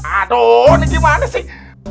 aduh ini gimana sih